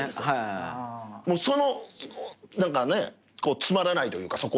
もうその何かね詰まらないというか